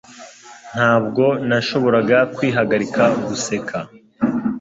Ntabwo nashoboraga kwihagarika guseka